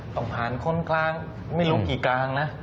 ต้องผ่านคนกลางไม่รู้กี่กลางนะ